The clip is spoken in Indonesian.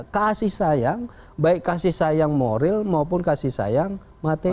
kasih sayang baik kasih sayang moral maupun kasih sayang materi